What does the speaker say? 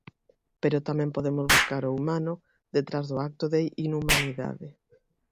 Pero tamén podemos buscar o humano detrás do acto de inhumanidade.